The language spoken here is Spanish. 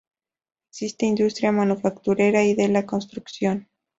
Existe industria manufacturera y de la construcción.